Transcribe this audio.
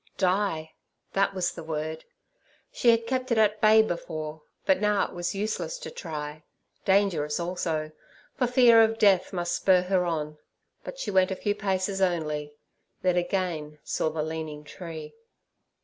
Die! that was the word; she had kept it at bay before, but now it was useless to try, dangerous also, for fear of death must spur her on. But she went a few paces only; then again saw the leaning tree.